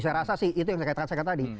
saya rasa sih itu yang saya katakan tadi